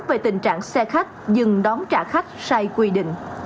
về tình trạng xe khách dừng đón trả khách sai quy định